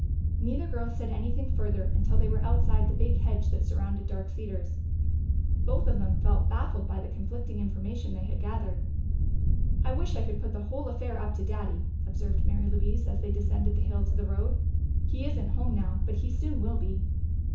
Neither girl said anything further until they were outside the big hedge that surrounded Dark Cedars. Both of them felt baffled by the conflicting information they had gathered. "I wish I could put the whole affair up to Daddy," observed Mary Louise, as they descended the hill to the road. "He isn't home now, but he soon will be."